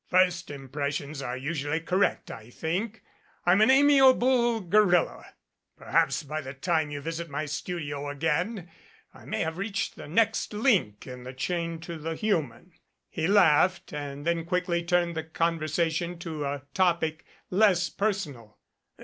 First impressions are usually correct, I think. I'm an amiable gorilla. Per haps by the time you visit my studio again, I may have reached the next link in the chain to the human." He laughed and then quickly turned the conversation to a topic less personal.